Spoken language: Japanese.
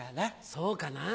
そうかなぁ。